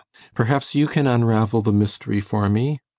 Perhaps you can unravel the mystery for me?